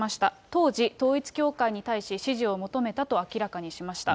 当時、統一教会に対し支持を求めたと明らかにしました。